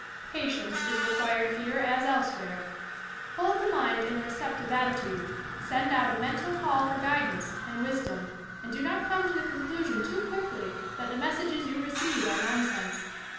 Patience is required here as elsewhere. Hold the mind in a receptive attitude, send out a mental call for guid ance and wisdom, and do not come to the conclusion too quickly that the messages you receive are nonsense.